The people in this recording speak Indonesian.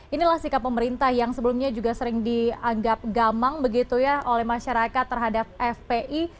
inilah sikap pemerintah yang sebelumnya juga sering dianggap gamang begitu ya oleh masyarakat terhadap fpi